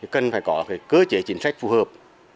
cần phải có cơ chế chính sách phù hợp